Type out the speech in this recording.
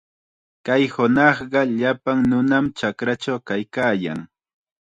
Kay hunaqqa llapan nunam chakrachaw kaykaayan.